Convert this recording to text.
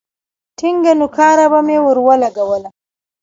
ټينگه نوکاره به مې ورولگوله.